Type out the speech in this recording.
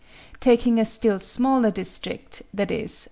Taking a still smaller district, viz.